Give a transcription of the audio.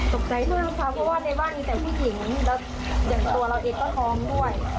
ด้วยนะคะเพราะว่าในบ้านมีแต่ผู้หญิงแล้วอย่างตัวเราเองก็ท้องด้วย